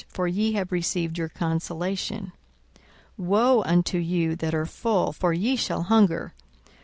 for ye have received your consolation. 42:006:025 Woe unto you that are full! for ye shall hunger.